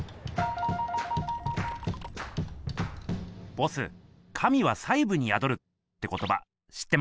ボス「神は細ぶにやどる」ってことば知ってますか？